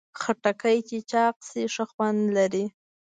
خټکی چې چاق شي، ښه خوند لري.